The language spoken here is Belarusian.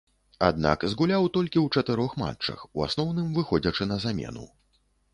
Аднак, згуляў толькі ў чатырох матчах, у асноўным выходзячы на замену.